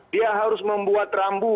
dia harus membuat rambu